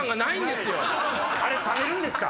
あれ冷めるんですか？